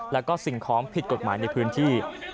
แล้วก็สิ่งของผิดกฎหมายในพื้นที่